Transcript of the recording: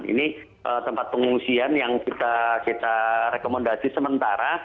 ini tempat pengungsian yang kita rekomendasi sementara